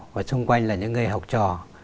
và xung quanh là những người học trò